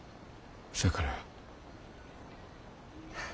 そやから。